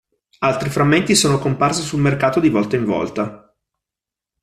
Altri frammenti sono comparsi sul mercato di volta in volta.